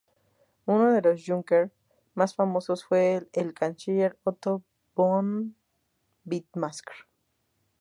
Uno de los "Junker" más famosos fue el canciller Otto von Bismarck.